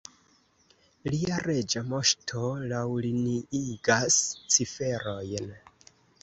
Lia Reĝa Moŝto laŭliniigas ciferojn.